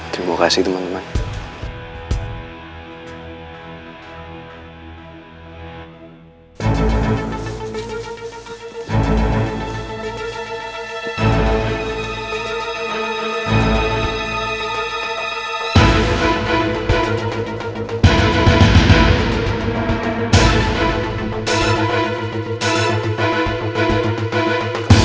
jangan lupa kasih teman teman